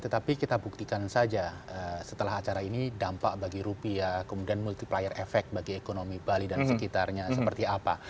tetapi kita buktikan saja setelah acara ini dampak bagi rupiah kemudian multiplier efek bagi ekonomi bali dan sekitarnya seperti apa